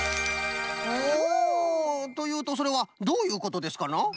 おお！というとそれはどういうことですかな？